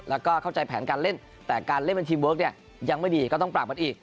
แล้วก็เข้าใจแผนการเล่นแต่การเล่นเป็นทีมเวิร์คเนี่ยยังไม่ดีก็ต้องปรับมันอีก